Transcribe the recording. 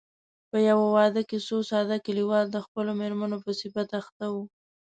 په يوه واده کې څو ساده کليوال د خپلو مېرمنو په صفت اخته وو.